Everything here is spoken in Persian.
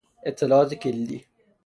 اطلاعات کلیدی